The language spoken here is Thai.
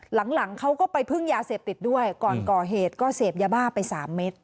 หลังเขาก็ไปพึ่งยาเซ็บติดด้วยก่อนก่อเฮตก็เสพยาบ้าไป๓เม็ดนะคะ